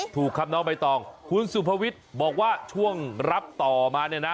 ถูกครับน้องใบตองคุณสุภวิทย์บอกว่าช่วงรับต่อมาเนี่ยนะ